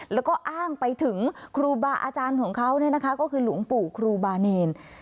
แล้วก็อ้างไปถึงครูบาอาจารย์ของเขาก็คือหลวงปู่ครูบาเนร